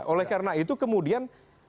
oleh karena itu kemudian